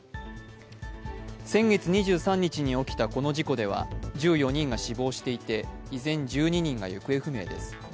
先月２３日に起きたこの事故では１４人が死亡していて、依然１２人が行方不明です。